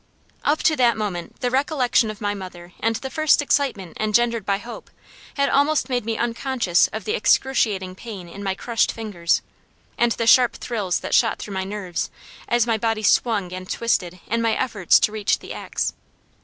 Up to that moment the recollection of my mother and the first excitement engendered by hope had almost made me unconscious of the excruciating pain in my crushed fingers, and the sharp thrills that shot through my nerves, as my body swung and twisted in my efforts to reach the axe.